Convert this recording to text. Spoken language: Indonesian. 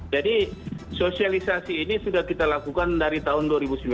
jadi sosialisasi ini sudah kita lakukan dari tahun dua ribu sembilan belas